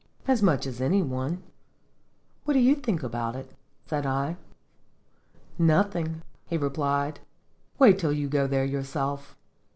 "As much as any one. What do you think about it?" said I. "Nothing," he replied. "Wait till you go there yourself.